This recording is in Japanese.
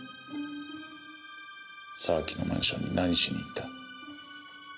沢木のマンションに何しに行った？